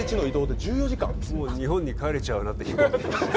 日本に帰れちゃうなって。